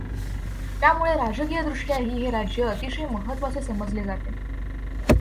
त्यामुळे राजकीयदृष्ट्याही हे राज्य अतिशय महत्वाचे समजले जाते.